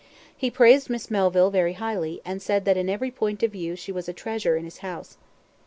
He praised Miss Melville very highly, and said that in every point of view she was a treasure in his house.